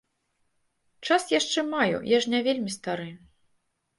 Час яшчэ маю, я ж не вельмі стары.